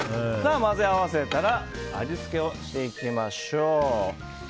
混ぜ合わせたら味付けをしていきましょう。